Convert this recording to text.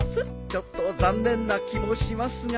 ちょっと残念な気もしますが。